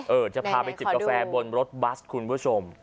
จะพาไปจิบกาแฟบนรถบัสคุณผู้ชม